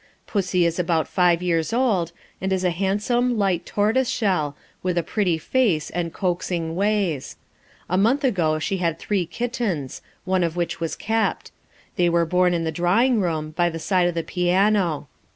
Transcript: Pussy is about five years old, and is a handsome, light tortoiseshell, with a pretty face and coaxing ways. A month ago she had three kittens, one of which was kept; they were born in the drawing room, by the side of the piano.